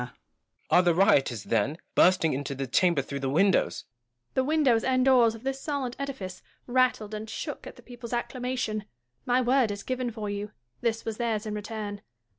Gaunt (running back toward Joanna). Are the rioters, then, bursting into the chamber through the windows 1 Joanna. The windows and doors of this solid edifice rattled and shook at the people's acclamation. My word is given for you : this was theirs in return.